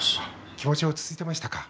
気持ちは落ち着いていましたか。